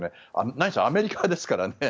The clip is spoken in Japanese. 何せアメリカですからね。